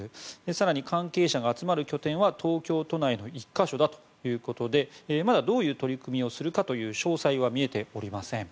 更に関係者が集まる拠点は東京都内の１か所だということでまだどういう取り組みをするかという詳細は見えておりません。